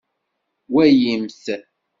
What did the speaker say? Walimt.